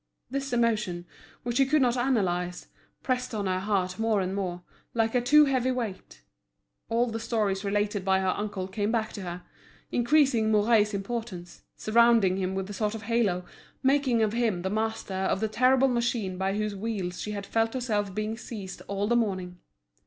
This emotion, which she could not analyse, pressed on her heart more and more, like a too heavy weight. All the stories related by her uncle came back to her, increasing Mouret's importance, surrounding him with a sort of halo, making of him the master of the terrible machine by whose wheels she had felt herself being seized all the morning.